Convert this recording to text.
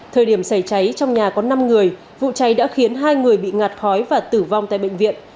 thời điểm xảy cháy trong nhà có năm người vụ cháy đã khiến hai người bị ngạt khói và tử vong tại bệnh viện